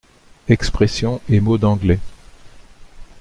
Expressions et mots d’anglais.